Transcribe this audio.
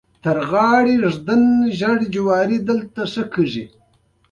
بل تن يوه بوډا ته ولاړ و.